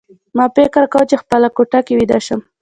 ما فکر کاوه چې په خپله کوټه کې ویده یم